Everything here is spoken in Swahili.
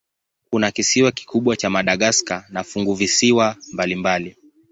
Kuna kisiwa kikubwa cha Madagaska na funguvisiwa mbalimbali.